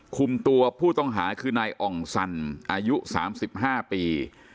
คุมตัวผู้ต้องหาคือนายอ่องสันอายุ๓๕ปี